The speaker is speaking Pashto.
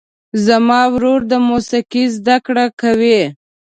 زما ورور د موسیقۍ زده کړه کوي.